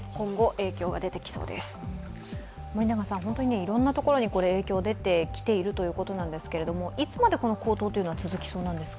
いろんなところに影響が出てきているということなんですけれども、いつまでこの高騰は続きそうなんですか。